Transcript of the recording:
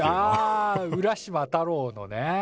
あ「浦島太郎」のね。